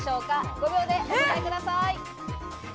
５秒でお答えください。